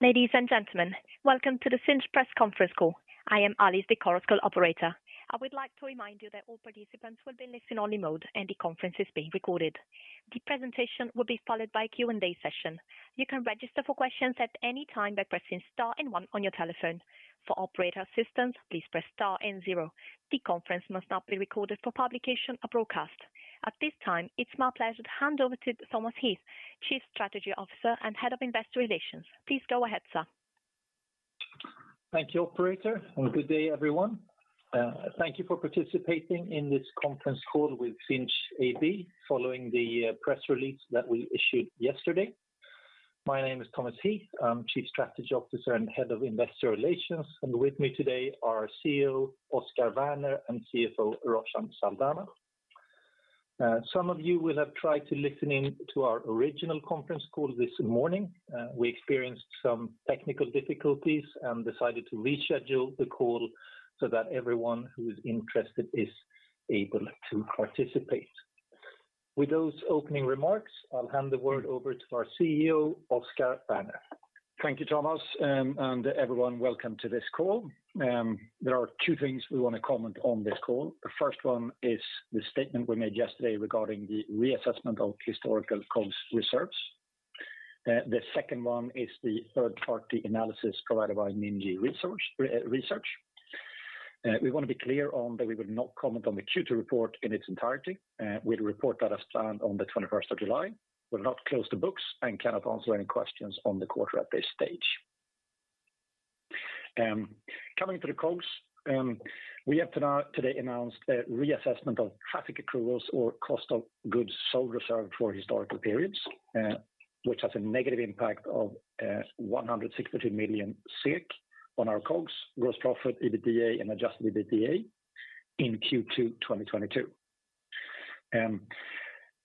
Ladies and gentlemen, welcome to the Sinch press conference call. I am Alice, the conference call operator. I would like to remind you that all participants will be in listen-only mode, and the conference is being recorded. The presentation will be followed by a Q&A session. You can register for questions at any time by pressing star and one on your telephone. For operator assistance, please press star and zero. The conference must not be recorded for publication or broadcast. At this time, it's my pleasure to hand over to Thomas Heath, Chief Strategy Officer and Head of Investor Relations. Please go ahead, sir. Thank you, operator, and good day, everyone. Thank you for participating in this conference call with Sinch AB following the press release that we issued yesterday. My name is Thomas Heath. I'm Chief Strategy Officer and Head of Investor Relations, and with me today are our CEO, Oscar Werner, and CFO, Roshan Saldanha. Some of you will have tried to listen in to our original conference call this morning. We experienced some technical difficulties and decided to reschedule the call so that everyone who is interested is able to participate. With those opening remarks, I'll hand the word over to our CEO, Oscar Werner. Thank you, Thomas, and everyone, welcome to this call. There are two things we wanna comment on this call. The first one is the statement we made yesterday regarding the reassessment of historical COGS reserves. The second one is the third-party analysis provided by Ningi Research. We wanna be clear on that we will not comment on the Q2 report in its entirety. We'll report that as planned on the 21st of July. We'll not close the books and cannot answer any questions on the quarter at this stage. Coming to the COGS, we have today announced a reassessment of traffic accruals or cost of goods sold reserves for historical periods, which has a negative impact of 162 million on our COGS, gross profit, EBITDA, and adjusted EBITDA in Q2 2022.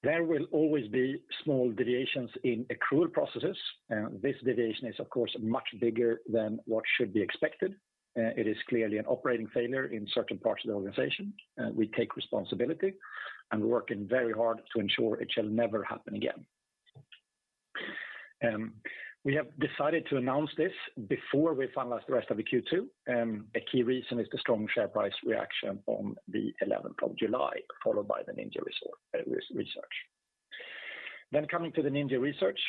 There will always be small deviations in accrual processes. This deviation is of course much bigger than what should be expected. It is clearly an operating failure in certain parts of the organization. We take responsibility and working very hard to ensure it shall never happen again. We have decided to announce this before we finalize the rest of the Q2. A key reason is the strong share price reaction on the 11th of July, followed by the Ningi Research. Coming to the Ningi Research,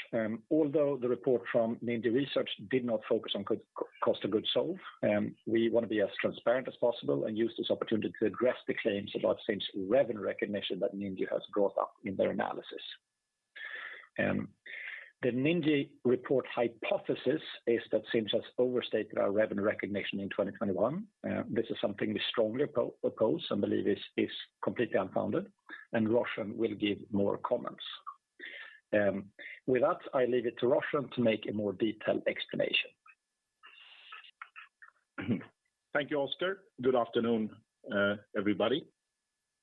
although the report from Ningi Research did not focus on cost of goods sold, we wanna be as transparent as possible and use this opportunity to address the claims about Sinch revenue recognition that Ningi has brought up in their analysis. The Ningi report hypothesis is that Sinch has overstated our revenue recognition in 2021. This is something we strongly oppose and believe is completely unfounded, and Roshan will give more comments. With that, I leave it to Roshan to make a more detailed explanation. Thank you, Oscar. Good afternoon, everybody.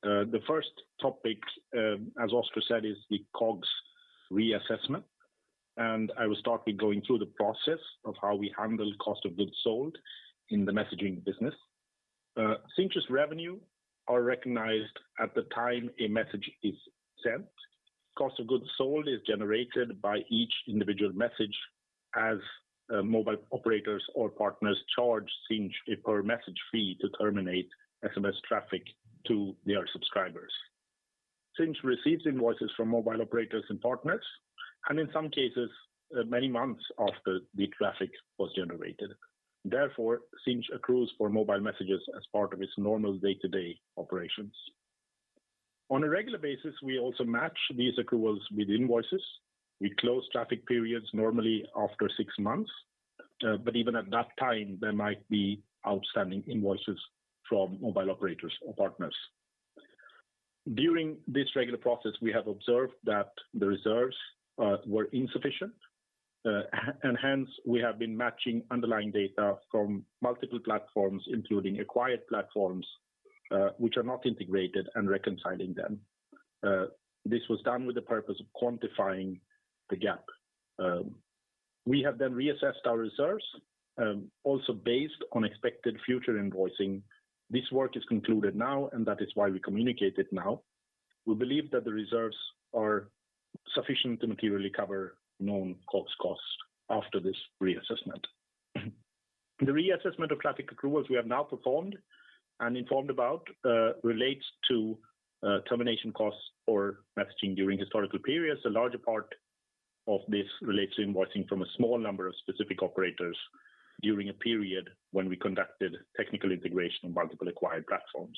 The first topic, as Oscar said, is the COGS reassessment, and I will start with going through the process of how we handle cost of goods sold in the messaging business. Sinch's revenue are recognized at the time a message is sent. Cost of goods sold is generated by each individual message as mobile operators or partners charge Sinch a per message fee to terminate SMS traffic to their subscribers. Sinch receives invoices from mobile operators and partners, and in some cases, many months after the traffic was generated. Therefore, Sinch accrues for mobile messages as part of its normal day-to-day operations. On a regular basis, we also match these accruals with invoices. We close traffic periods normally after six months, but even at that time, there might be outstanding invoices from mobile operators or partners. During this regular process, we have observed that the reserves were insufficient, and hence, we have been matching underlying data from multiple platforms, including acquired platforms, which are not integrated and reconciling them. This was done with the purpose of quantifying the gap. We have then reassessed our reserves, also based on expected future invoicing. This work is concluded now, and that is why we communicate it now. We believe that the reserves are sufficient to materially cover known COGS costs after this reassessment. The reassessment of traffic accruals we have now performed and informed about relates to termination costs for messaging during historical periods. A larger part of this relates to invoicing from a small number of specific operators during a period when we conducted technical integration of multiple acquired platforms.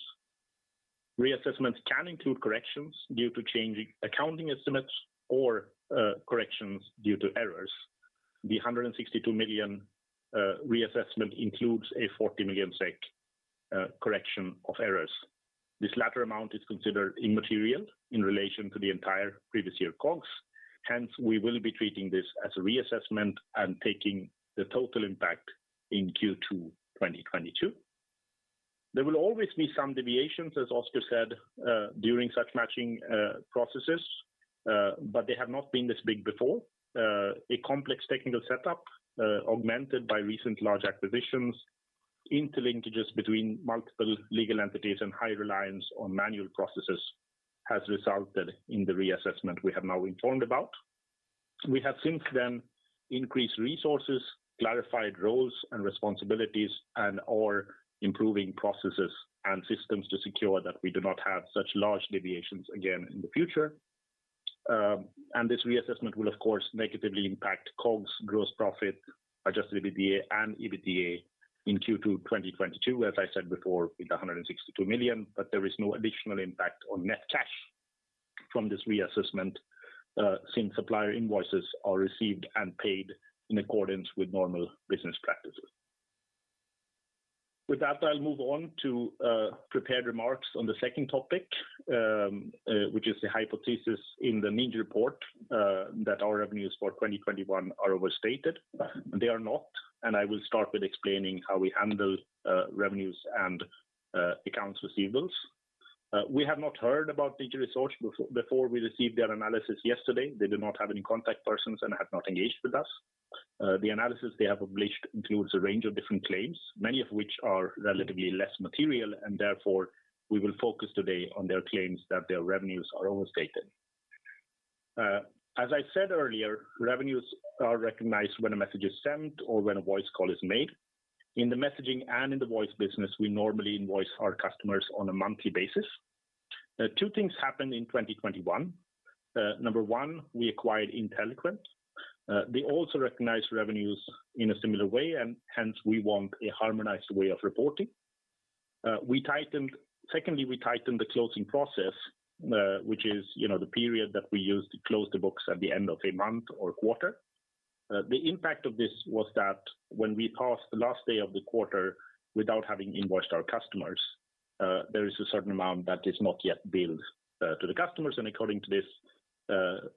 Reassessments can include corrections due to changing accounting estimates or corrections due to errors. The 162 million reassessment includes a 40 million SEK correction of errors. This latter amount is considered immaterial in relation to the entire previous year COGS. Hence, we will be treating this as a reassessment and taking the total impact in Q2 2022. There will always be some deviations, as Oscar said, during such matching processes, but they have not been this big before. A complex technical setup, augmented by recent large acquisitions. Interlinkages between multiple legal entities and high reliance on manual processes has resulted in the reassessment we have now informed about. We have since then increased resources, clarified roles and responsibilities and/or improving processes and systems to secure that we do not have such large deviations again in the future. This reassessment will of course negatively impact COGS, gross profit, adjusted EBITDA and EBITDA in Q2 2022, as I said before, with 162 million. There is no additional impact on net cash from this reassessment, since supplier invoices are received and paid in accordance with normal business practices. With that, I'll move on to prepared remarks on the second topic, which is the hypothesis in the Ningi report, that our revenues for 2021 are overstated. They are not, and I will start with explaining how we handle revenues and accounts receivable. We have not heard about Ningi Research before we received their analysis yesterday. They did not have any contact persons and had not engaged with us. The analysis they have published includes a range of different claims, many of which are relatively less material, and therefore we will focus today on their claims that their revenues are overstated. As I said earlier, revenues are recognized when a message is sent or when a voice call is made. In the messaging and in the voice business, we normally invoice our customers on a monthly basis. Two things happened in 2021. Number one, we acquired Inteliquent. They also recognize revenues in a similar way, and hence we want a harmonized way of reporting. Secondly, we tightened the closing process, which is, you know, the period that we use to close the books at the end of a month or quarter. The impact of this was that when we passed the last day of the quarter without having invoiced our customers, there is a certain amount that is not yet billed to the customers, and according to this,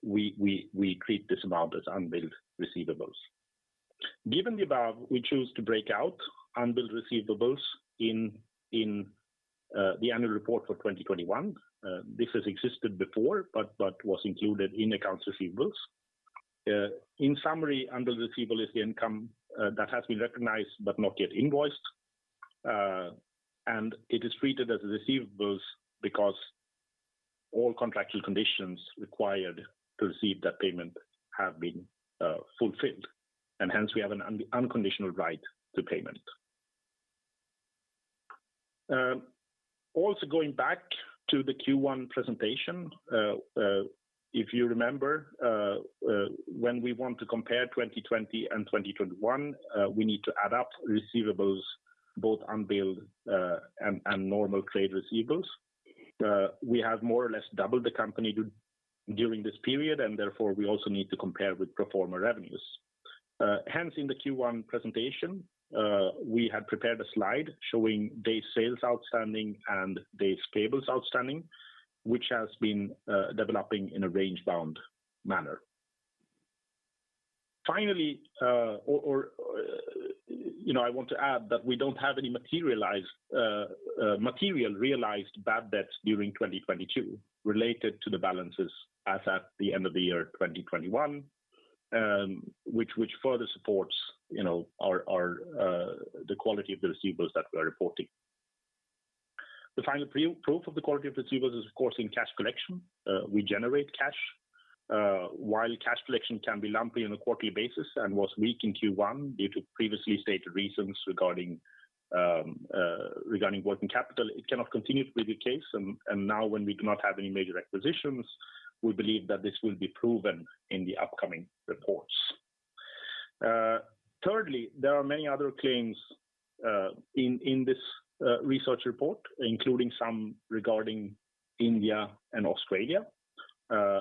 we treat this amount as unbilled receivables. Given the above, we choose to break out unbilled receivables in the annual report for 2021. This has existed before, but was included in accounts receivables. In summary, unbilled receivable is the income that has been recognized but not yet invoiced. It is treated as receivables because all contractual conditions required to receive that payment have been fulfilled, and hence we have an unconditional right to payment. Also going back to the Q1 presentation, if you remember, when we want to compare 2020 and 2021, we need to add up receivables, both unbilled and normal trade receivables. We have more or less doubled the company during this period, and therefore we also need to compare with pro forma revenues. Hence, in the Q1 presentation, we had prepared a slide showing days sales outstanding and days payable outstanding, which has been developing in a range-bound manner. Finally, you know, I want to add that we don't have any material realized bad debts during 2022 related to the balances as at the end of the year 2021, which further supports you know the quality of the receivables that we are reporting. The final proof of the quality of receivables is of course in cash collection. We generate cash. While cash collection can be lumpy on a quarterly basis and was weak in Q1 due to previously stated reasons regarding working capital, it cannot continue to be the case, and now when we do not have any major acquisitions, we believe that this will be proven in the upcoming reports. Thirdly, there are many other claims in this research report, including some regarding India and Australia.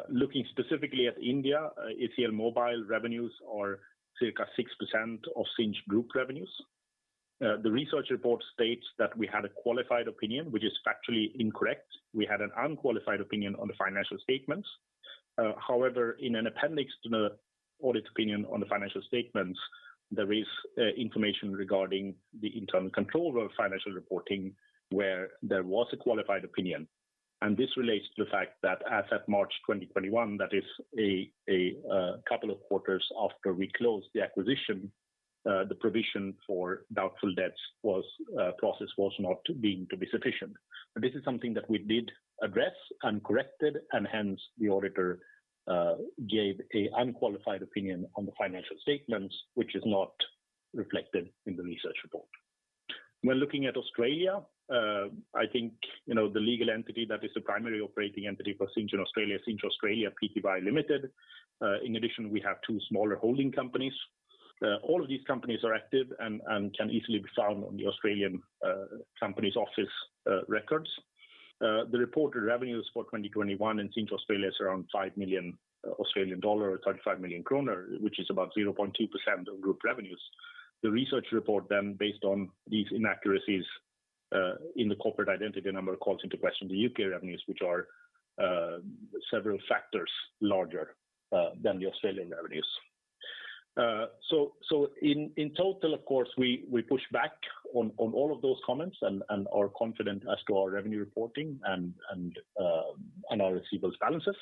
Looking specifically at India, ACL Mobile revenues are circa 6% of Sinch Group revenues. The research report states that we had a qualified opinion, which is factually incorrect. We had an unqualified opinion on the financial statements. However, in an appendix to the audit opinion on the financial statements, there is information regarding the internal control of financial reporting where there was a qualified opinion. This relates to the fact that as of March 2021, that is a couple of quarters after we closed the acquisition, the provision for doubtful debts process was not deemed to be sufficient. This is something that we did address and corrected, and hence the auditor gave an unqualified opinion on the financial statements, which is not reflected in the research report. When looking at Australia, I think, you know, the legal entity that is the primary operating entity for Sinch in Australia, Sinch Australia Pty Ltd. In addition, we have two smaller holding companies. All of these companies are active and can easily be found on the Australian Companies Office records. The reported revenues for 2021 in Sinch Australia is around 5 million Australian dollar or 35 million kronor, which is about 0.2% of group revenues. The research report then, based on these inaccuracies in the corporate identification number, calls into question the UK revenues, which are several factors larger than the Australian revenues. In total, of course, we push back on all of those comments and are confident as to our revenue reporting and on our receivables balances.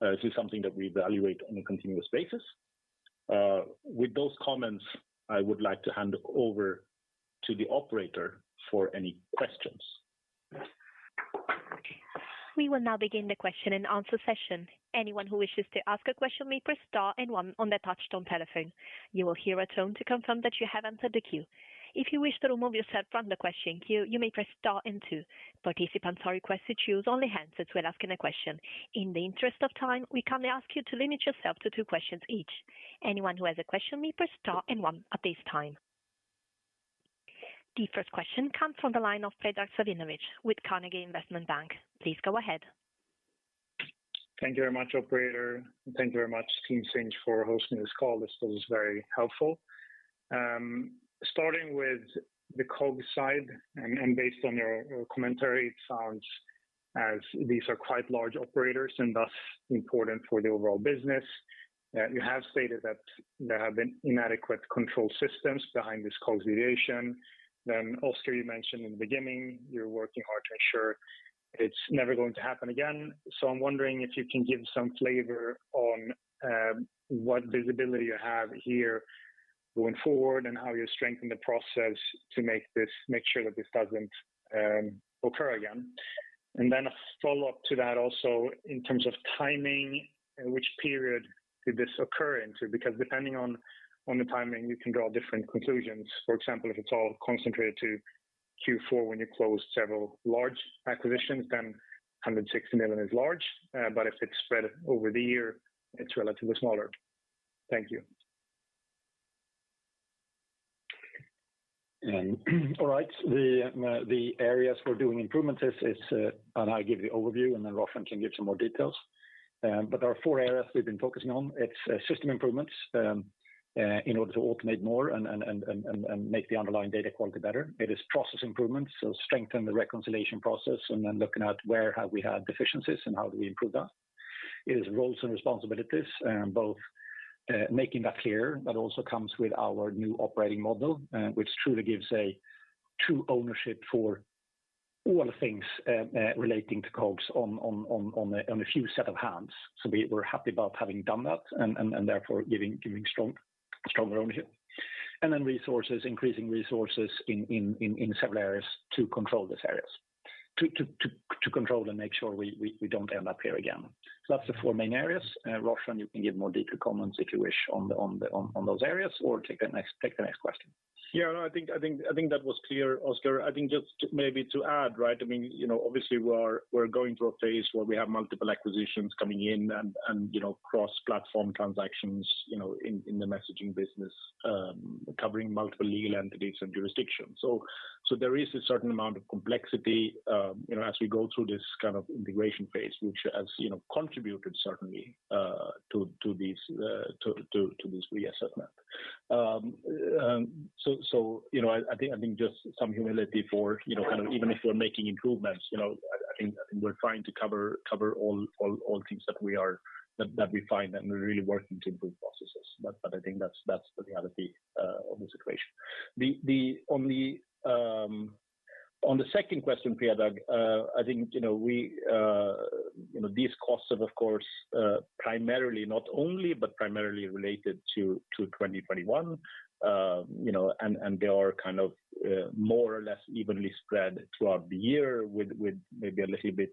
This is something that we evaluate on a continuous basis. With those comments, I would like to hand over to the operator for any questions. We will now begin the question and answer session. Anyone who wishes to ask a question may press star and one on their touchtone telephone. You will hear a tone to confirm that you have entered the queue. If you wish to remove yourself from the question queue, you may press star and two. Participants are requested to use only handsets when asking a question. In the interest of time, we kindly ask you to limit yourself to two questions each. Anyone who has a question may press star and one at this time. The first question comes from the line of Predrag Savinovic with Carnegie Investment Bank. Please go ahead. Thank you very much, operator, and thank you very much Team Sinch for hosting this call. This was very helpful. Starting with the COGS side and based on your commentary, it sounds as these are quite large operators and thus important for the overall business. You have stated that there have been inadequate control systems behind this COGS deviation. Oscar, you mentioned in the beginning you're working hard to ensure it's never going to happen again. I'm wondering if you can give some flavor on what visibility you have here going forward and how you strengthen the process to make sure that this doesn't occur again. A follow-up to that also in terms of timing, which period did this occur into? Because depending on the timing, you can draw different conclusions. For example, if it's all concentrated to Q4 when you closed several large acquisitions, then 160 million is large. If it's spread over the year, it's relatively smaller. Thank you. All right. The areas we're doing improvements is. I give the overview, and then Roshan can give some more details. There are four areas we've been focusing on. It's system improvements in order to automate more and make the underlying data quality better. It is process improvements, so strengthen the reconciliation process and then looking at where have we had deficiencies and how do we improve that. It is roles and responsibilities, both making that clear. That also comes with our new operating model, which truly gives a true ownership for all things relating to COGS in a few sets of hands. We're happy about having done that and therefore giving stronger ownership. Resources, increasing resources in several areas to control these areas. To control and make sure we don't end up here again. That's the four main areas. Roshan, you can give more detailed comments if you wish on those areas or take the next question. Yeah, no, I think that was clear, Oscar. I think just maybe to add, right? I mean, you know, obviously we're going through a phase where we have multiple acquisitions coming in and you know, cross-platform transactions, you know, in the messaging business, covering multiple legal entities and jurisdictions. There is a certain amount of complexity, you know, as we go through this kind of integration phase, which has you know, contributed certainly to this reassessment. You know, I think just some humility for you know, kind of even if we're making improvements, you know, I think we're trying to cover all things that we find and we're really working to improve processes. I think that's the reality of the situation. On the second question, Predrag, I think you know we you know these costs are of course primarily not only but primarily related to 2021. You know and they are kind of more or less evenly spread throughout the year with maybe a little bit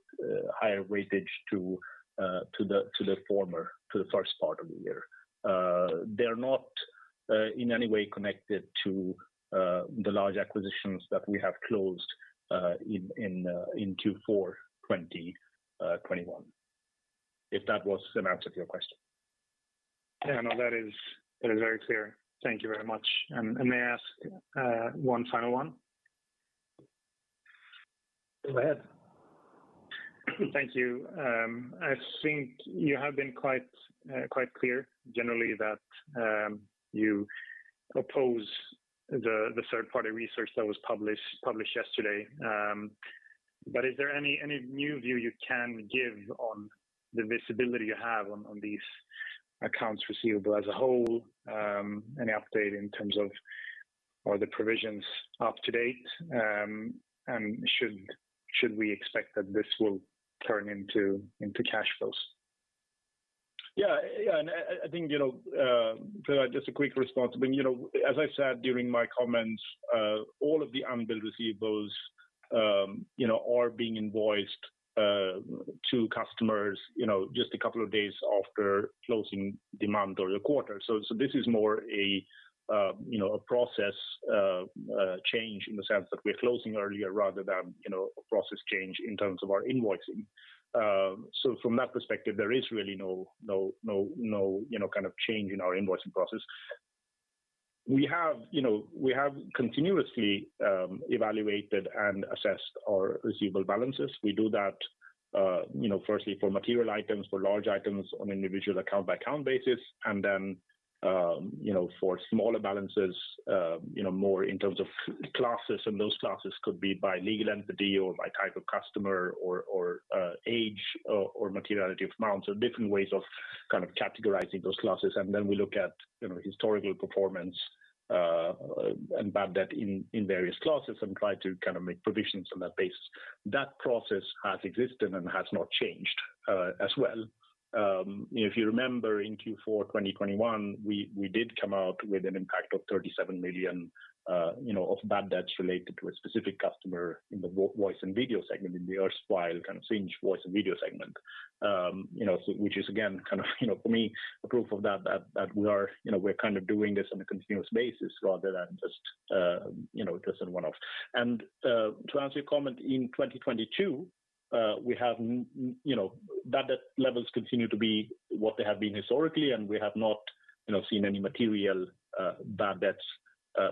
higher weightage to the first part of the year. They're not in any way connected to the large acquisitions that we have closed in Q4 2021, if that was an answer to your question. Yeah, no, that is very clear. Thank you very much. And may I ask one final one? Go ahead. Thank you. I think you have been quite clear generally that you oppose the third-party research that was published yesterday. Is there any new view you can give on the visibility you have on these accounts receivable as a whole? Any update in terms of are the provisions up to date? Should we expect that this will turn into cash flows? I think, you know, Predrag, just a quick response. I mean, you know, as I said during my comments, all of the unbilled receivables, you know, are being invoiced to customers, you know, just a couple of days after closing the month or the quarter. This is more a process change in the sense that we're closing earlier rather than, you know, a process change in terms of our invoicing. From that perspective, there is really no kind of change in our invoicing process. We have, you know, continuously evaluated and assessed our receivable balances. We do that, you know, firstly for material items, for large items on individual account by account basis, and then, you know, for smaller balances, you know, more in terms of classes, and those classes could be by legal entity or by type of customer or age or materiality of amounts or different ways of kind of categorizing those classes. We look at, you know, historical performance and bad debt in various classes and try to kind of make provisions on that basis. That process has existed and has not changed as well. If you remember in Q4 of 2021, we did come out with an impact of 37 million of bad debts related to a specific customer in the voice and video segment, in the erstwhile kind of Sinch voice and video segment. You know, which is again, kind of you know, for me, a proof of that we are, you know, we're kind of doing this on a continuous basis rather than just you know, a one-off. To answer your comment, in 2022, you know, bad debt levels continue to be what they have been historically, and we have not, you know, seen any material bad debts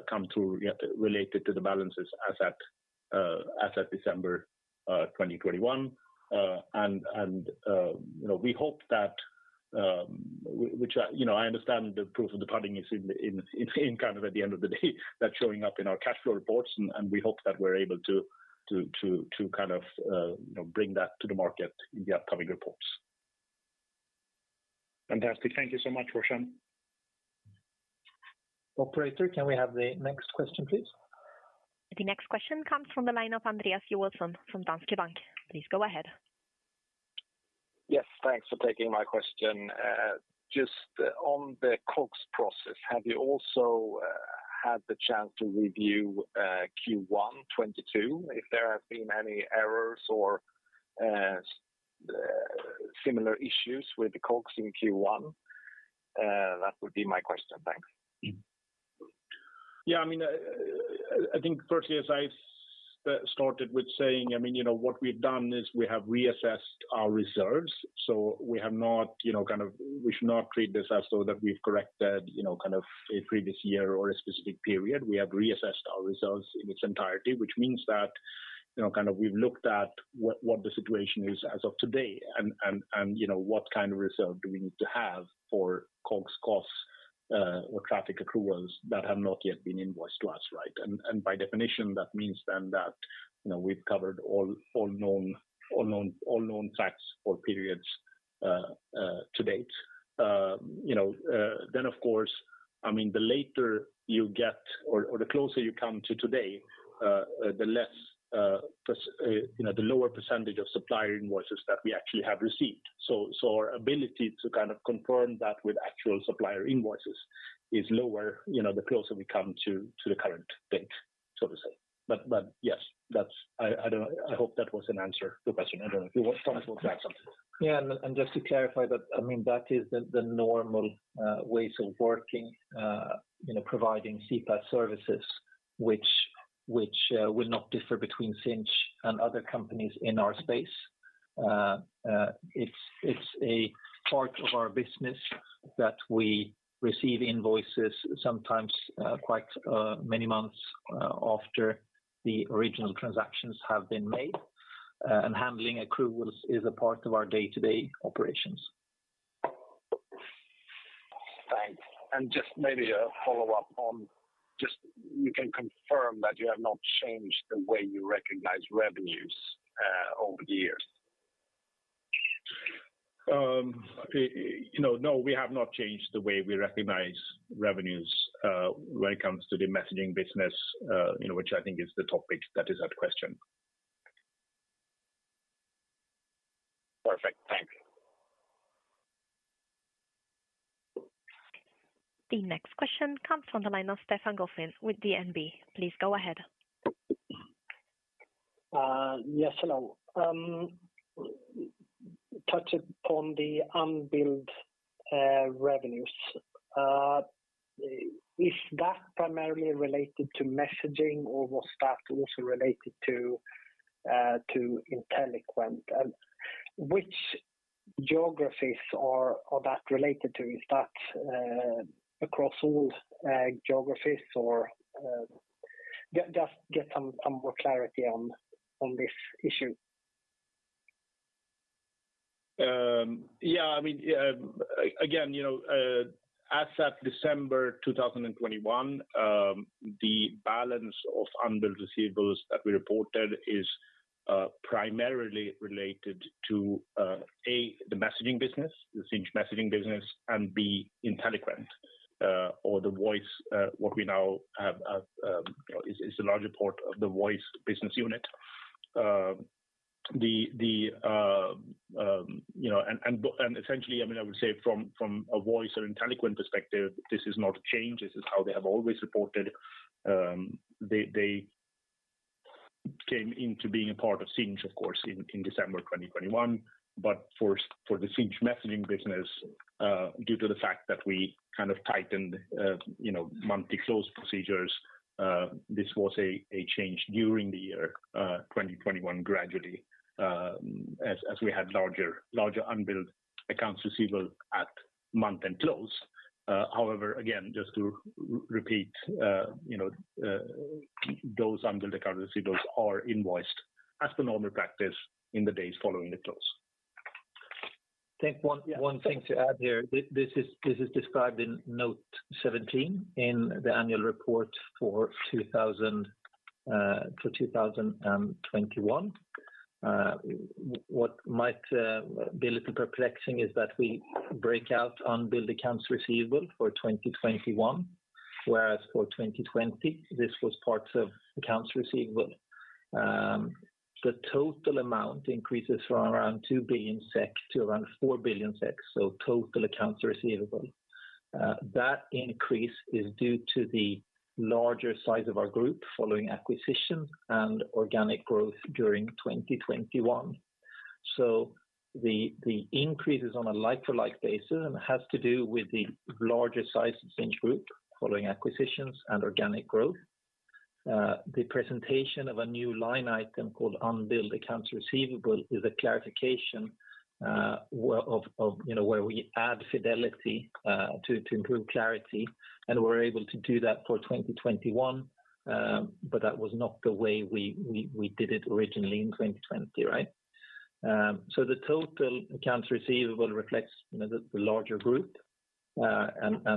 come through yet related to the balances as at December 2021. You know, we hope that, which I, you know, I understand the proof of the pudding is in kind of at the end of the day, that showing up in our cash flow reports. We hope that we're able to kind of, you know, bring that to the market in the upcoming reports. Fantastic. Thank you so much, Roshan. Operator, can we have the next question, please? The next question comes from the line of Andreas Joelsson from Danske Bank. Please go ahead. Yes, thanks for taking my question. Just on the COGS process, have you also had the chance to review Q1 2022, if there have been any errors or similar issues with the COGS in Q1? That would be my question. Thanks. Yeah, I mean, I think firstly, as I started with saying, I mean, you know, what we've done is we have reassessed our reserves. We have not, you know, kind of we should not treat this as though that we've corrected, you know, kind of a previous year or a specific period. We have reassessed our results in its entirety, which means that, you know, kind of we've looked at what the situation is as of today and, you know, what kind of result do we need to have for COGS costs or traffic accruals that have not yet been invoiced to us, right? By definition, that means then that, you know, we've covered all known facts or periods to date. Of course, I mean, the later you get or the closer you come to today, the lower percentage of supplier invoices that we actually have received. Our ability to kind of confirm that with actual supplier invoices is lower, you know, the closer we come to the current date, so to say. Yes, I hope that was an answer to your question. I don't know if you want Thomas to add something. Yeah. Just to clarify that, I mean, that is the normal ways of working, you know, providing CPaaS services, which will not differ between Sinch and other companies in our space. It's a part of our business that we receive invoices sometimes quite many months after the original transactions have been made, and handling accruals is a part of our day-to-day operations. Thanks. Just maybe a follow-up on just you can confirm that you have not changed the way you recognize revenues over the years. You know, no, we have not changed the way we recognize revenues, when it comes to the messaging business, you know, which I think is the topic that is in question. Perfect. Thanks. The next question comes from the line of Stefan Gauffin with DNB. Please go ahead. Yes, hello. Touching on the unbilled revenues. Is that primarily related to messaging or was that also related to Inteliquent? Which geographies are that related to? Is that across all geographies or just get some more clarity on this issue. Yeah, I mean, again, you know, as at December 2021, the balance of unbilled receivables that we reported is primarily related to A, the messaging business, the Sinch messaging business, and B, Inteliquent or the voice, what we now have, you know, is a larger part of the voice business unit. Essentially, I mean, I would say from a voice or Inteliquent perspective, this is not a change. This is how they have always reported. They came into being a part of Sinch, of course, in December 2021. For the Sinch messaging business, due to the fact that we kind of tightened, you know, month-end close procedures, this was a change during the year 2021 gradually, as we had larger unbilled accounts receivable at month-end close. However, again, just to repeat, you know, those unbilled accounts receivable are invoiced as per normal practice in the days following the close. I think one. Yeah. One thing to add here. This is described in note 17 in the annual report for 2021. What might be a little perplexing is that we break out unbilled accounts receivable for 2021, whereas for 2020 this was parts of accounts receivable. The total amount increases from around 2 billion SEK to around 4 billion SEK, so total accounts receivable. That increase is due to the larger size of our group following acquisition and organic growth during 2021. The increase is on a like-for-like basis and has to do with the larger size of Sinch group following acquisitions and organic growth. The presentation of a new line item called unbilled accounts receivable is a clarification of you know where we add fidelity to improve clarity, and we're able to do that for 2021. That was not the way we did it originally in 2020, right? The total accounts receivable reflects you know the larger group. It's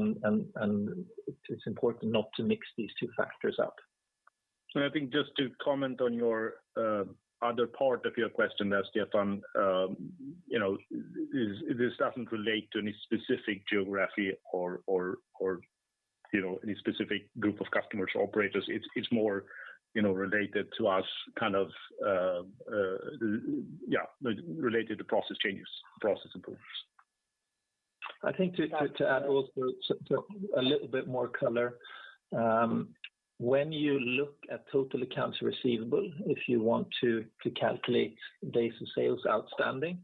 important not to mix these two factors up. I think just to comment on your other part of your question there, Stefan, you know, this doesn't relate to any specific geography or you know, any specific group of customers or operators. It's more, you know, related to process changes, process improvements. I think to add also to a little bit more color. When you look at total accounts receivable, if you want to calculate days of sales outstanding,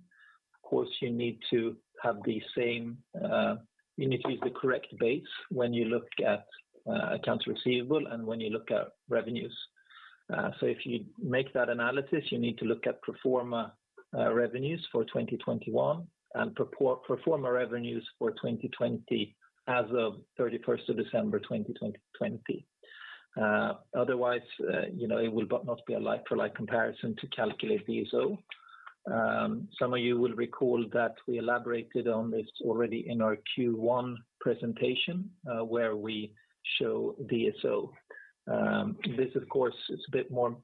of course you need to have the same, you need to use the correct base when you look at accounts receivable and when you look at revenues. If you make that analysis, you need to look at pro forma revenues for 2021 and pro forma revenues for 2020 as of 31st of December 2020. Otherwise, you know, it will not be a like-for-like comparison to calculate DSO. Some of you will recall that we elaborated on this already in our Q1 presentation, where we show DSO. This of course is a bit more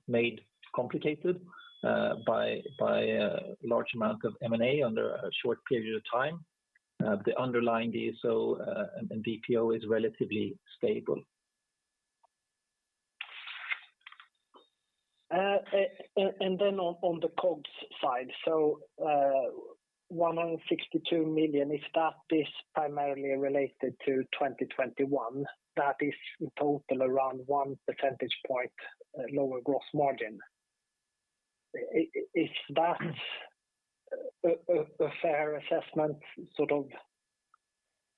complicated by a large amount of M&A over a short period of time. The underlying DSO and DPO is relatively stable. On the COGS side. 162 million, if that is primarily related to 2021, that is in total around one percentage point lower gross margin. If that's a fair assessment, sort of.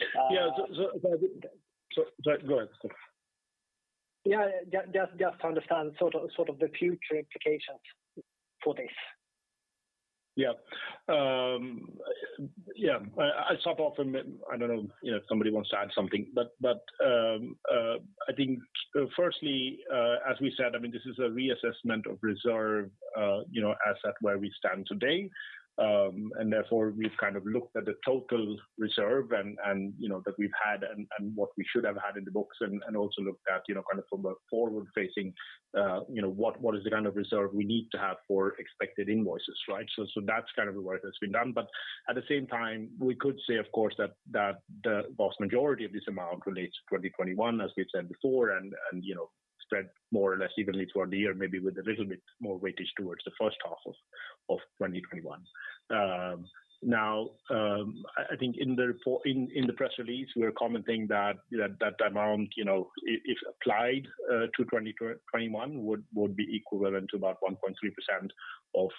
Go ahead, sorry. Yeah. Just to understand sort of the future implications for this. Yeah. Yeah. I'll start off and then I don't know, you know, if somebody wants to add something. I think firstly, as we said, I mean, this is a reassessment of reserves, you know, assessment of where we stand today. Therefore, we've kind of looked at the total reserves and, you know, that we've had and what we should have had in the books and also looked at, you know, kind of from a forward-facing, you know, what is the kind of reserves we need to have for expected invoices, right? That's kind of the work that's been done. At the same time, we could say, of course, that the vast majority of this amount relates to 2021, as we've said before, and you know, spread more or less evenly toward the year, maybe with a little bit more weightage towards the first half of 2021. Now, I think in the press release, we're commenting that, you know, that amount, you know, if applied to 2021 would be equivalent to about 1.3% of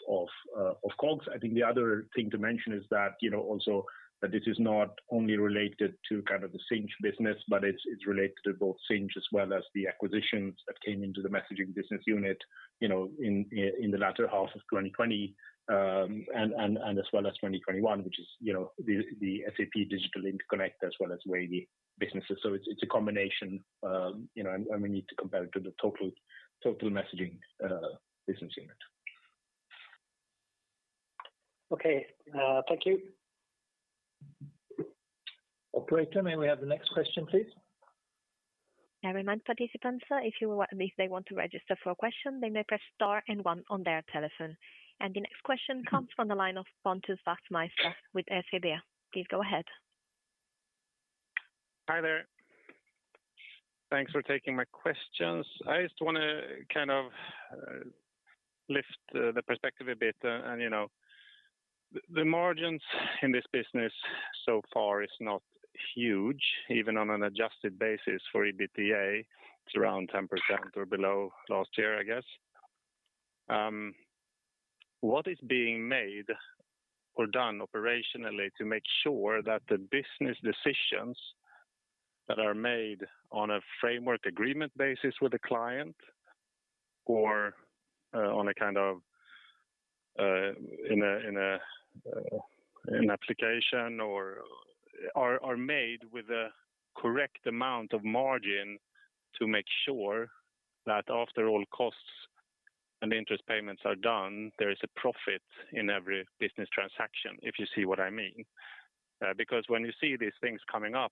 COGS. I think the other thing to mention is that, you know, also that this is not only related to kind of the Sinch business, but it's related to both Sinch as well as the acquisitions that came into the messaging business unit, you know, in the latter half of 2020, and as well as 2021, which is, you know, the SAP Digital Interconnect as well as Wavy businesses. It's a combination, you know, and we need to compare it to the total messaging business unit. Okay. Thank you. Operator, may we have the next question, please? I remind participants, if they want to register for a question, they may press star and one on their telephone. The next question comes from the line of Pontus Wachtmeister with SEB. Please go ahead. Hi there. Thanks for taking my questions. I just wanna kind of lift the perspective a bit. You know, the margins in this business so far is not huge, even on an adjusted basis for EBITDA. It's around 10% or below last year, I guess. What is being made or done operationally to make sure that the business decisions that are made on a framework agreement basis with a client or on a kind of application or are made with the correct amount of margin to make sure that after all costs and interest payments are done, there is a profit in every business transaction? If you see what I mean. Because when you see these things coming up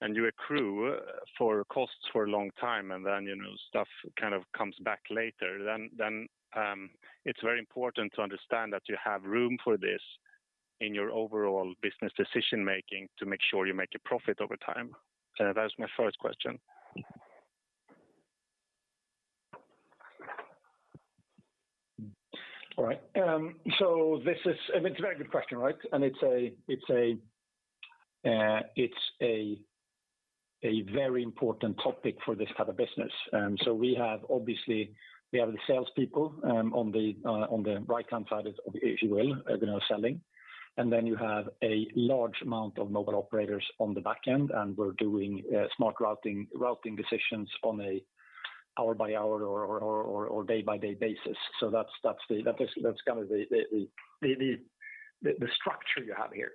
and you accrue for costs for a long time, and then, you know, stuff kind of comes back later. Then it's very important to understand that you have room for this in your overall business decision making to make sure you make a profit over time. That was my first question. All right. This is, I mean, it's a very good question, right? It's a very important topic for this type of business. We have the salespeople on the right-hand side, if you will, you know, selling. Then you have a large amount of mobile operators on the back end, and we're doing smart routing decisions on an hour by hour or day by day basis. That's the structure you have here.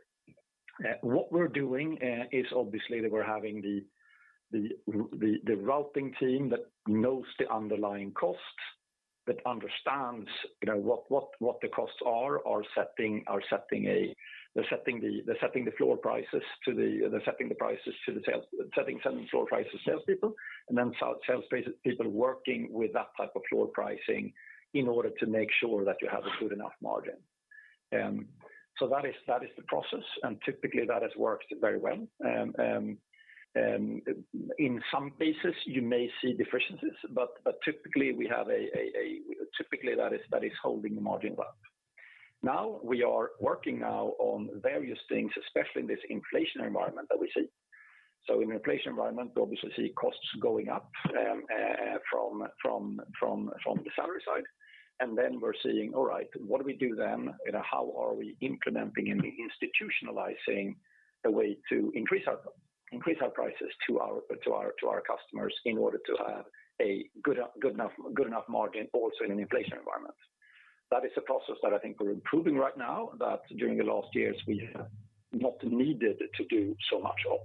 What we're doing is obviously that we're having the routing team that knows the underlying costs, that understands, you know, what the costs are. They're setting some floor prices to salespeople, and then salespeople working with that type of floor pricing in order to make sure that you have a good enough margin. That is the process, and typically that has worked very well. In some cases you may see deficiencies, but typically we have. Typically that is holding the margin well. Now we are working now on various things, especially in this inflationary environment that we see. In an inflationary environment, we obviously see costs going up from the salary side. Then we're seeing, all right, what do we do then? You know, how are we implementing and institutionalizing a way to increase our prices to our customers in order to have a good enough margin also in an inflationary environment? That is a process that I think we're improving right now, that during the last years we have not needed to do so much of.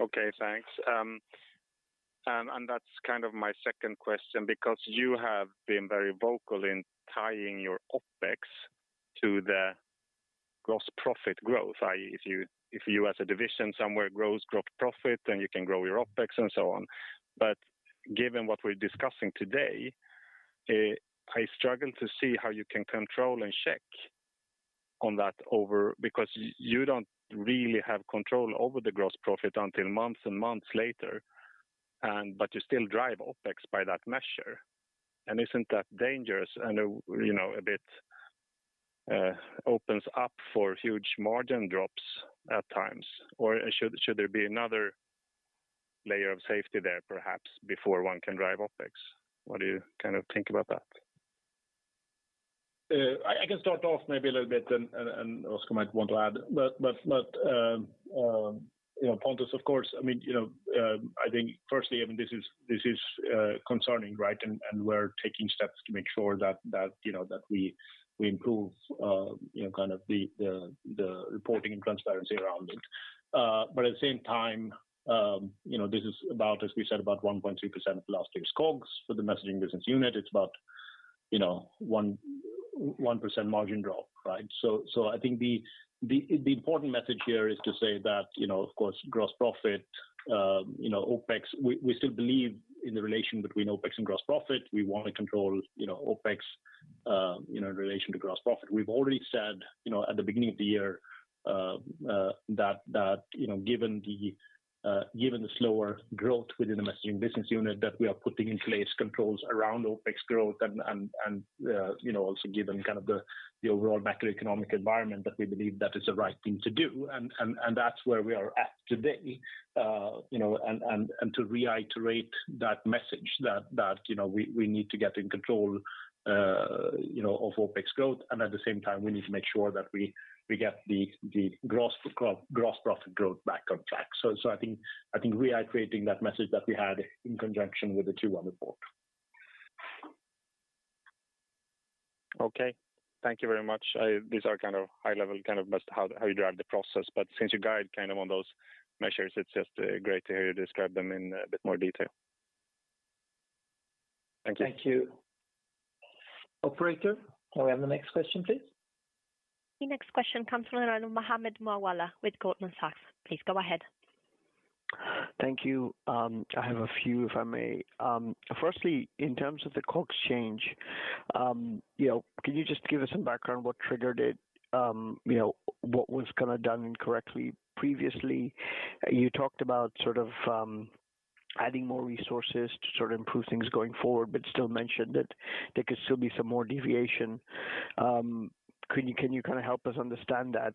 Okay, thanks. That's kind of my second question, because you have been very vocal in tying your OpEx to the gross profit growth. If you as a division somewhere grows gross profit, then you can grow your OpEx and so on. Given what we're discussing today, I struggle to see how you can control and check on that. Because you don't really have control over the gross profit until months and months later, but you still drive OpEx by that measure. Isn't that dangerous and, you know, a bit opens up for huge margin drops at times? Should there be another layer of safety there perhaps before one can drive OpEx? What do you kind of think about that? I can start off maybe a little bit and Oscar might want to add. You know, Pontus, of course, I mean, you know, I think firstly, I mean, this is concerning, right? We're taking steps to make sure that, you know, that we improve, you know, kind of the reporting and transparency around it. At the same time, you know, this is about, as we said, about 1.3% of last year's COGS. For the messaging business unit, it's about, you know, 1% margin drop, right? I think the important message here is to say that, you know, of course, gross profit, you know, OpEx, we still believe in the relation between OpEx and gross profit. We want to control, you know, OpEx, you know, in relation to gross profit. We've already said, you know, at the beginning of the year, that, you know, given the slower growth within the messaging business unit, that we are putting in place controls around OpEx growth and, you know, also given kind of the overall macroeconomic environment, that we believe that is the right thing to do. That's where we are at today. To reiterate that message that, you know, we need to get in control, you know, of OpEx growth. At the same time, we need to make sure that we get the gross profit growth back on track. I think reiterating that message that we had in conjunction with the Q1 report. Okay. Thank you very much. These are kind of high level, kind of just how you drive the process. Since you guide kind of on those measures, it's just great to hear you describe them in a bit more detail. Thank you. Thank you. Operator, can we have the next question, please? The next question comes from the line of Mohammed Moawalla with Goldman Sachs. Please go ahead. Thank you. I have a few, if I may. Firstly, in terms of the COGS change, you know, can you just give us some background? What triggered it? You know, what was kinda done incorrectly previously? You talked about sort of adding more resources to sort of improve things going forward, but still mentioned that there could still be some more deviation. Can you kinda help us understand that?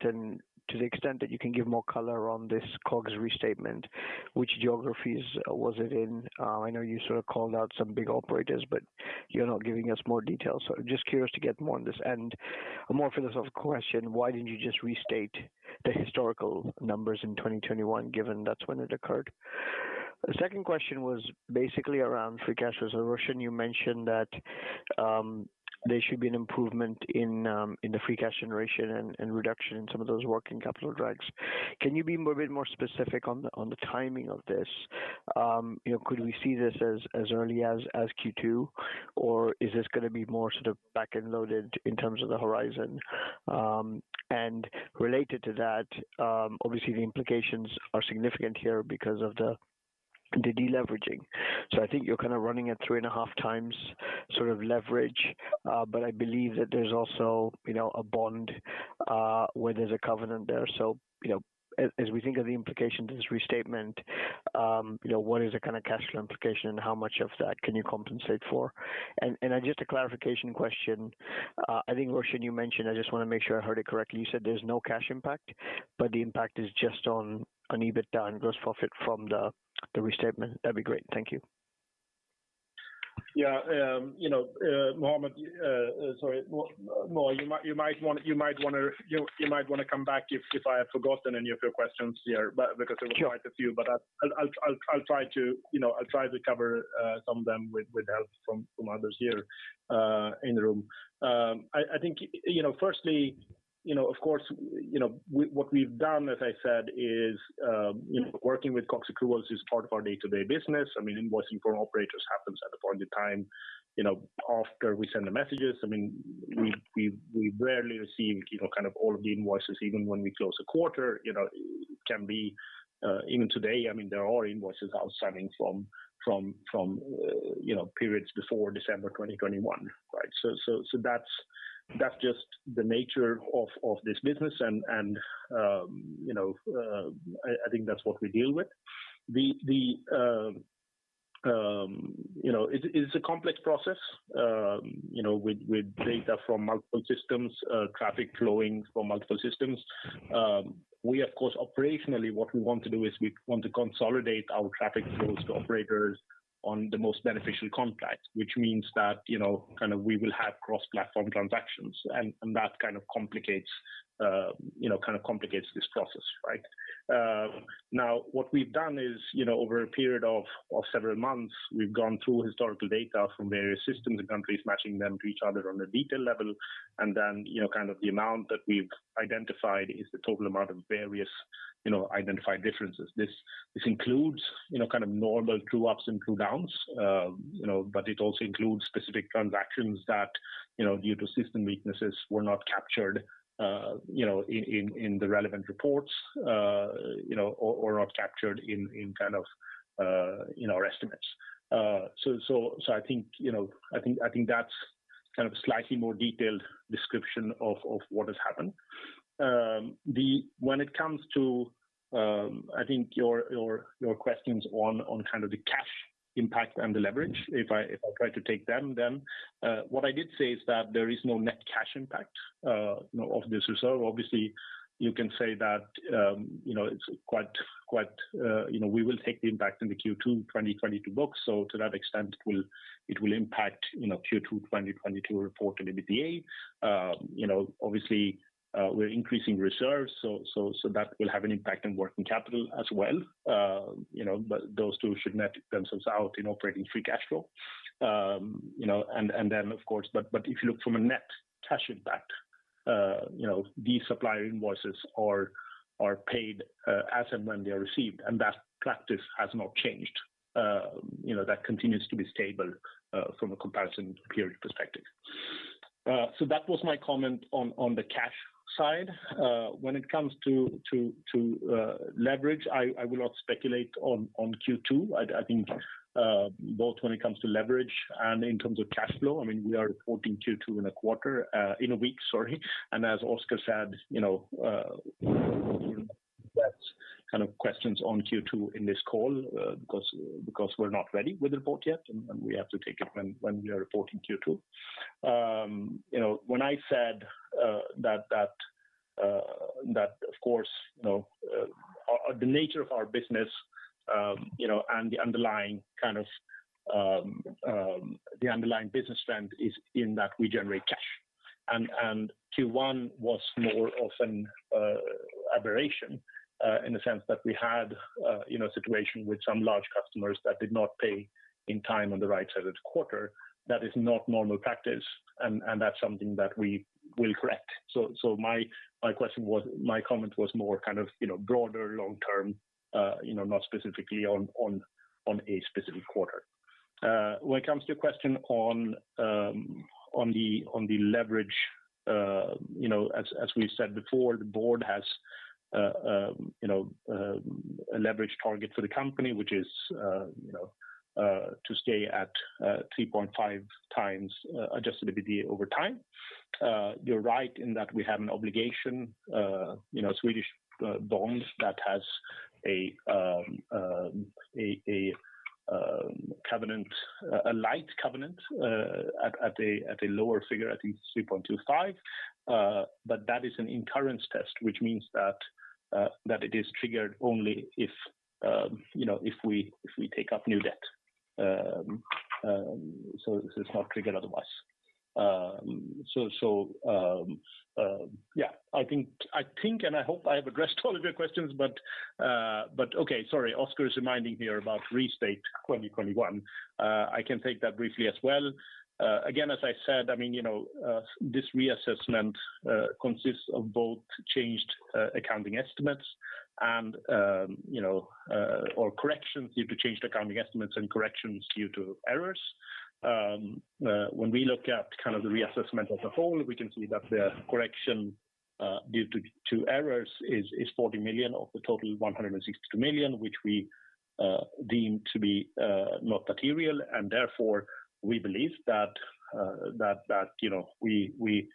To the extent that you can give more color on this COGS restatement, which geographies was it in? I know you sort of called out some big operators, but you're not giving us more details. Just curious to get more on this. A more philosophical question, why didn't you just restate the historical numbers in 2021, given that's when it occurred? The second question was basically around free cash flow. Roshan, you mentioned that there should be an improvement in the free cash generation and reduction in some of those working capital drags. Can you be a bit more specific on the timing of this? You know, could we see this as early as Q2, or is this gonna be more sort of back-end loaded in terms of the horizon? Related to that, obviously the implications are significant here because of the deleveraging. I think you're kinda running at 3.5x sort of leverage. I believe that there's also, you know, a bond where there's a covenant there. You know, as we think of the implications of this restatement, you know, what is the kinda cash flow implication, and how much of that can you compensate for? Just a clarification question. I think, Roshan, you mentioned, I just wanna make sure I heard it correctly, you said there's no cash impact, but the impact is just on EBITDA and gross profit from the restatement. That'd be great. Thank you. Yeah, you know, Mohammed, sorry. Mo-Mo, you might wanna come back if I have forgotten any of your questions here, but because there was quite a few. Sure. I'll try to cover some of them with help from others here in the room. I think you know, firstly, you know, of course, you know, what we've done, as I said, is working with COGS accruals is part of our day-to-day business. I mean, invoicing from operators happens at a point in time, you know, after we send the messages. I mean, we rarely receive you know, kind of all of the invoices, even when we close a quarter. You know, it can be even today, I mean, there are invoices outstanding from periods before December 2021, right? That's just the nature of this business and, you know, I think that's what we deal with. You know, it's a complex process, you know, with data from multiple systems, traffic flowing from multiple systems. We of course, operationally, what we want to do is we want to consolidate our traffic flows to operators on the most beneficial contract, which means that, you know, kinda we will have cross-platform transactions and that kind of complicates this process, right? Now what we've done is, you know, over a period of several months, we've gone through historical data from various systems and countries, matching them to each other on a detail level. You know, kind of the amount that we've identified is the total amount of various, you know, identified differences. This includes, you know, kind of normal true ups and true downs, you know, but it also includes specific transactions that, you know, due to system weaknesses, were not captured, you know, in the relevant reports, you know, or not captured in kind of, you know, our estimates. So I think, you know, that's kind of a slightly more detailed description of what has happened. When it comes to, I think your questions on kind of the cash impact and the leverage, if I try to take them then, what I did say is that there is no net cash impact, you know, of this reserve. Obviously, you can say that, you know, it's quite, you know, we will take the impact in the Q2 2022 books. To that extent, it will impact, you know, Q2 2022 report in EBITDA. You know, obviously, we're increasing reserves, so that will have an impact on working capital as well. You know, those two should net themselves out in operating free cash flow. You know, then of course, but if you look from a net cash impact, you know, these supplier invoices are paid as and when they are received, and that practice has not changed. You know, that continues to be stable from a comparison period perspective. That was my comment on the cash side. When it comes to leverage, I will not speculate on Q2. I think both when it comes to leverage and in terms of cash flow, I mean, we are reporting Q2 in a quarter, in a week, sorry. As Oscar said, you know, that's kind of questions on Q2 in this call, because we're not ready with the report yet, and we have to take it when we are reporting Q2. You know, when I said that of course, you know, the nature of our business, you know, and the underlying kind of the underlying business trend is in that we generate cash. Q1 was more of an aberration in the sense that we had you know, a situation with some large customers that did not pay in time on the right side of the quarter. That is not normal practice, and that's something that we will correct. My comment was more kind of, you know, broader long-term, not specifically on a specific quarter. When it comes to your question on the leverage, as we've said before, the board has a leverage target for the company, which is to stay at 3.5x adjusted EBITDA over time. You're right in that we have an obligation, Swedish bonds that has a covenant, a light covenant, at a lower figure, I think 3.25. That is an incurrence test, which means that it is triggered only if you know, if we take up new debt. So it's not triggered otherwise. Yeah. I think and I hope I have addressed all of your questions, but okay, sorry. Oscar is reminding me about restated 2021. I can take that briefly as well. Again, as I said, I mean, you know, this reassessment consists of both changed accounting estimates and, you know, or corrections due to changed accounting estimates and corrections due to errors. When we look at kind of the reassessment as a whole, we can see that the correction due to errors is 40 million of the total 162 million, which we deem to be not material. Therefore we believe that, you know, we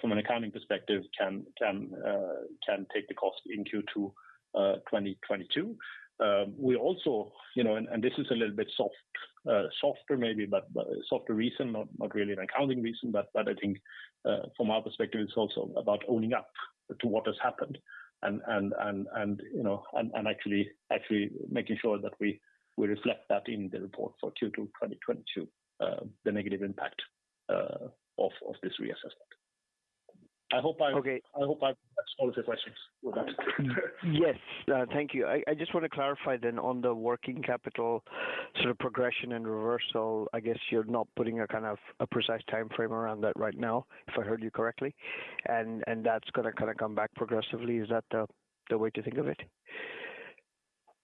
from an accounting perspective can take the cost in Q2 2022. We also, you know, and this is a little bit softer maybe, but softer reason, not really an accounting reason, but I think from our perspective it's also about owning up to what has happened and, you know, and actually making sure that we reflect that in the report for Q2 2022, the negative impact of this reassessment. I hope I. Okay. I hope I've exposed the questions with that. Yes. Thank you. I just want to clarify then on the working capital sort of progression and reversal. I guess you're not putting a kind of a precise timeframe around that right now, if I heard you correctly. That's gonna kind of come back progressively. Is that the way to think of it?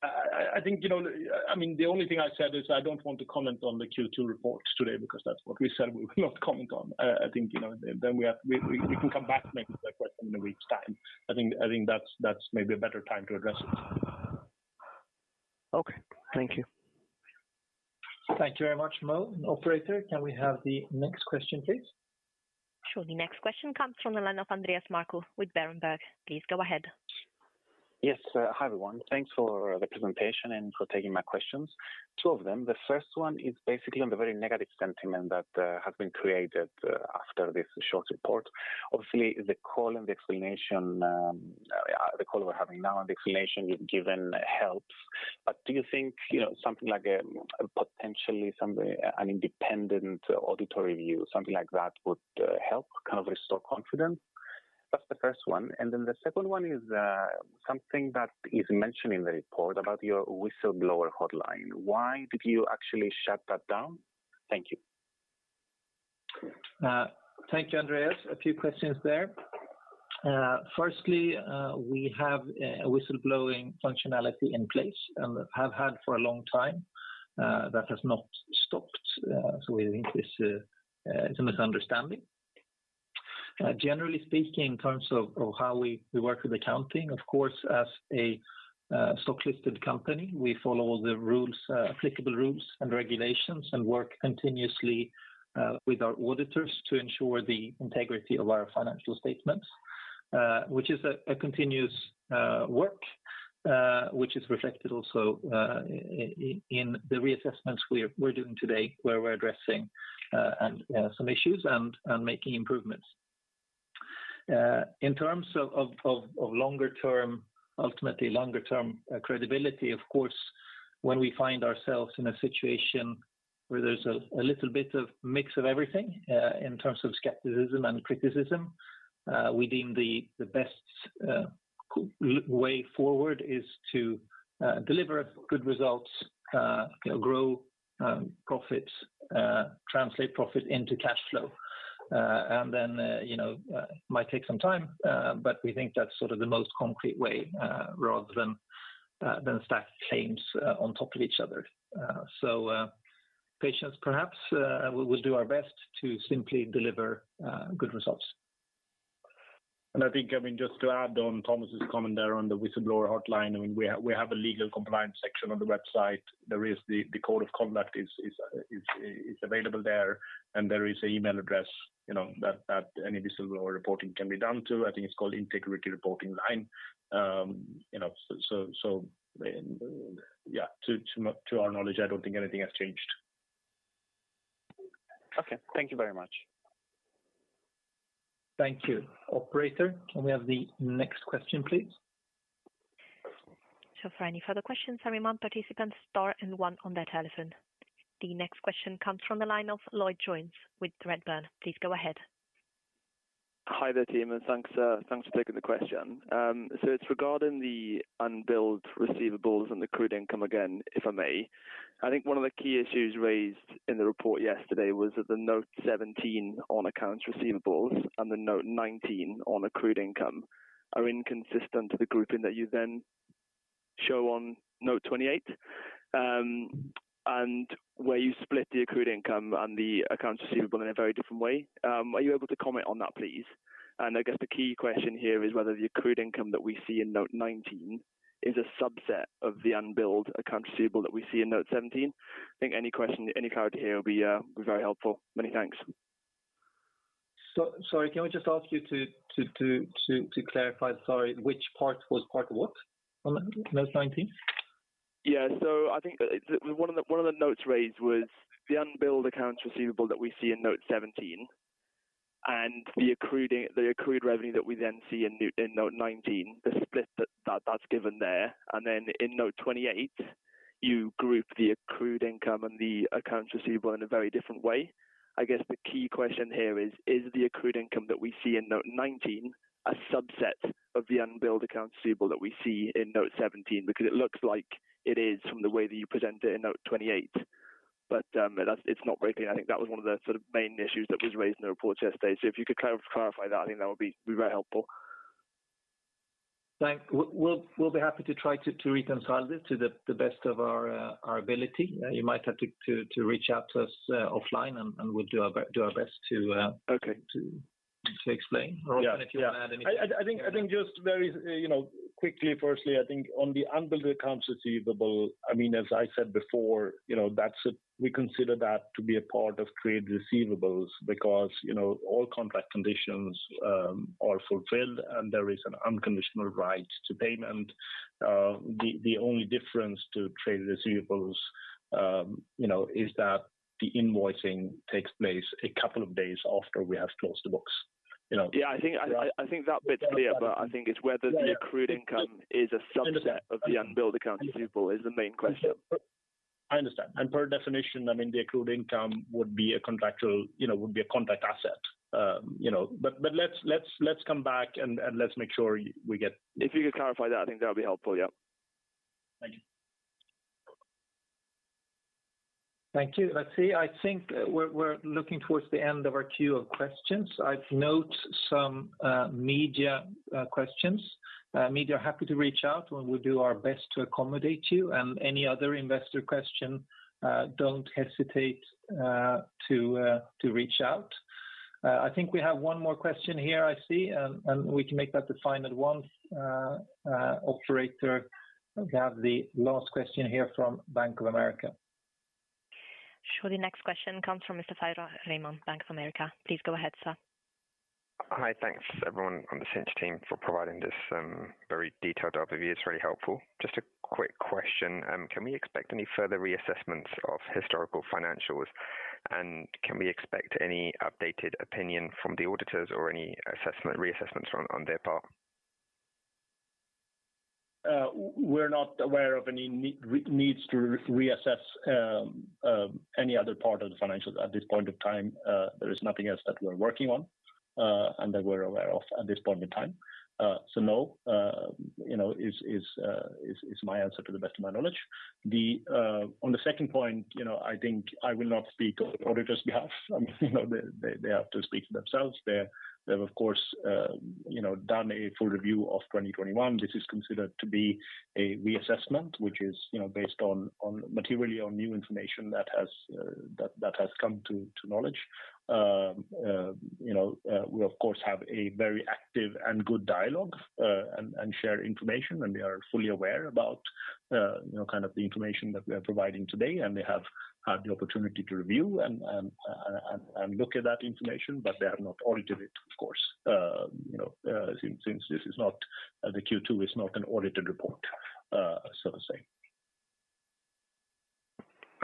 I think, you know, I mean, the only thing I said is I don't want to comment on the Q2 reports today because that's what we said we will not comment on. I think, you know, then we can come back maybe with that question in a week's time. I think that's maybe a better time to address it. Okay. Thank you. Thank you very much, Mo. Operator, can we have the next question, please? Sure. The next question comes from the line of Andreas Markou with Berenberg. Please go ahead. Yes. Hi, everyone. Thanks for the presentation and for taking my questions. Two of them. The first one is basically on the very negative sentiment that has been created after this short report. Obviously, the call and the explanation the call we're having now and the explanation you've given helps. But do you think, you know, something like a, potentially something, an independent audit review, something like that would help kind of restore confidence? That's the first one. Then the second one is something that is mentioned in the report about your whistleblower hotline. Why did you actually shut that down? Thank you. Thank you, Andreas. A few questions there. First, we have a whistleblowing functionality in place and have had for a long time, that has not stopped. We think this is a misunderstanding. Generally speaking, in terms of how we work with accounting, of course, as a stock-listed company, we follow the rules, applicable rules and regulations and work continuously with our auditors to ensure the integrity of our financial statements, which is a continuous work, which is reflected also in the reassessments we're doing today, where we're addressing and some issues and making improvements. In terms of longer term. Ultimately longer term credibility, of course. When we find ourselves in a situation where there's a little bit of mix of everything in terms of skepticism and criticism, we deem the best way forward is to deliver good results, you know, grow profits, translate profit into cash flow. You know, might take some time, but we think that's sort of the most concrete way, rather than stack claims on top of each other. Patience perhaps. We'll do our best to simply deliver good results. I think, I mean, just to add on Thomas's comment there on the whistleblower hotline, I mean, we have a legal compliance section on the website. There is the code of conduct is available there, and there is an email address, you know, that any whistleblower reporting can be done to. I think it's called Integrity Reporting Line. You know, yeah, to our knowledge, I don't think anything has changed. Okay. Thank you very much. Thank you. Operator, can we have the next question, please? Sure. For any further questions, I remind participants star and one on their telephone. The next question comes from the line of Lloyd Jones with Redburn. Please go ahead. Hi there, team. Thanks for taking the question. It's regarding the unbilled receivables and accrued income again, if I may. I think one of the key issues raised in the report yesterday was that the note 17 on accounts receivable and the note 19 on accrued income are inconsistent to the grouping that you then show on note 28. Where you split the accrued income and the accounts receivable in a very different way. Are you able to comment on that, please? I guess the key question here is whether the accrued income that we see in note 19 is a subset of the unbilled accounts receivable that we see in note 17. I think any question, any clarity here will be very helpful. Many thanks. Sorry, can we just ask you to clarify, sorry, which part was part of what on the Note 19? Yeah. I think one of the notes raised was the unbilled accounts receivable that we see in note 17 and the accrued revenue that we then see in note 19, the split that's given there. Then in note 28, you group the accrued income and the accounts receivable in a very different way. I guess the key question here is the accrued income that we see in note 19 a subset of the unbilled accounts receivable that we see in note 17? Because it looks like it is from the way that you present it in note 28. But it's not very clear. I think that was one of the sort of main issues that was raised in the report yesterday. If you could clarify that, I think that would be very helpful. Thanks. We'll be happy to try to reconcile this to the best of our ability. You might have to reach out to us offline and we'll do our best to Okay. To explain. Yeah. Yeah. If you wanna add anything. I think just very, you know, quickly firstly, I think on the unbilled accounts receivable, I mean, as I said before, you know, that's a we consider that to be a part of trade receivables because, you know, all contract conditions are fulfilled and there is an unconditional right to payment. The only difference to trade receivables, you know, is that the invoicing takes place a couple of days after we have closed the books, you know? Yeah. I think that bit's clear, but I think it's whether the accrued income is a subset of the unbilled accounts receivable is the main question. I understand. By definition, I mean, the accrued income would be a contract, you know, would be a contract asset. You know, but let's come back and let's make sure we get. If you could clarify that, I think that'll be helpful. Yep. Thank you. Thank you. Let's see. I think we're looking towards the end of our queue of questions. I note some media questions. Media are happy to reach out, and we'll do our best to accommodate you and any other investor question. Don't hesitate to reach out. I think we have one more question here I see, and we can make that the final one. Operator, we have the last question here from Bank of America. Sure. The next question comes from Mr. Farah Rahman, Bank of America. Please go ahead, sir. Hi. Thanks everyone on the Sinch team for providing this, very detailed overview. It's very helpful. Just a quick question. Can we expect any further reassessments of historical financials? Can we expect any updated opinion from the auditors or any reassessments on their part? We're not aware of any needs to reassess any other part of the financials at this point of time. There is nothing else that we're working on and that we're aware of at this point in time. No, you know, is my answer to the best of my knowledge. On the second point, you know, I think I will not speak on the auditor's behalf. You know, they have to speak for themselves. They have of course, you know, done a full review of 2021. This is considered to be a reassessment, which is, you know, based on materially on new information that has come to knowledge. You know, we of course have a very active and good dialogue and share information, and they are fully aware about, you know, kind of the information that we are providing today, and they have had the opportunity to review and look at that information, but they have not audited it, of course. You know, the Q2 is not an audited report, so to say.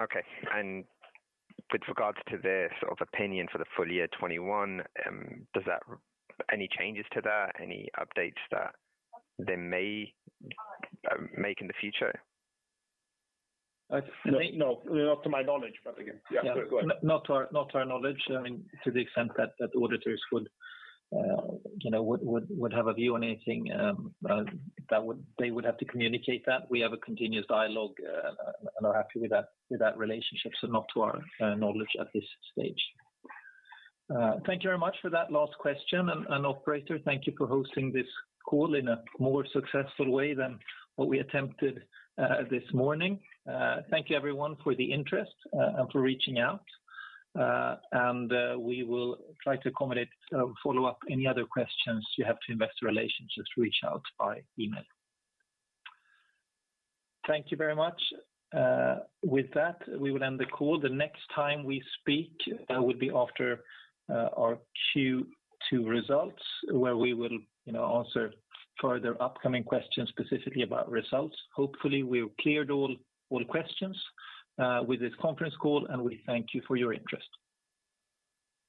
Okay. With regards to their sort of opinion for the full year 2021, any changes to that? Any updates that they may make in the future? I think. No, no, not to my knowledge. Again. Yeah. Go ahead. Not to our knowledge. I mean, to the extent that auditors would, you know, have a view on anything that they would have to communicate that. We have a continuous dialogue and are happy with that relationship. Not to our knowledge at this stage. Thank you very much for that last question. Operator, thank you for hosting this call in a more successful way than what we attempted this morning. Thank you everyone for the interest and for reaching out. We will try to accommodate follow up any other questions you have to investor relations. Reach out by email. Thank you very much. With that, we will end the call. The next time we speak will be after our Q2 results, where we will, you know, answer further upcoming questions specifically about results. Hopefully, we've cleared all questions with this conference call, and we thank you for your interest.